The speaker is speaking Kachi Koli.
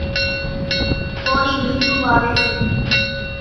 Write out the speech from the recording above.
ڪورِي لينٻُو واويَ سي۔